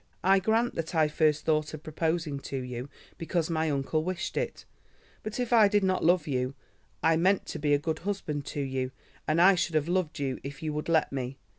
I grant that I first thought of proposing to you because my uncle wished it, but if I did not love you I meant to be a good husband to you, and I should have loved you if you would let me.